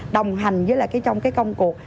đồng hành với trong cái công cuộc